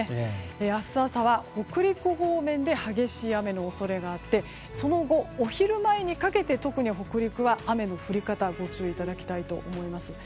明日朝は北陸方面で激しい雨の恐れがあってその後、お昼前にかけて特に北陸は雨の降り方ご注意いただきたいと思います。